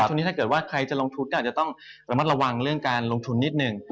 นี้ถ้าเกิดว่าใครจะลงทุนก็อาจจะต้องระมัดระวังเรื่องการลงทุนนิดหนึ่ง